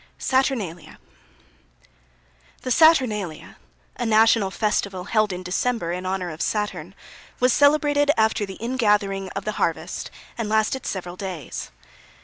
SATURNALIA. The Saturnalia, a national festival held in December in honour of Saturn, was celebrated after the ingathering of the harvest, and lasted several days.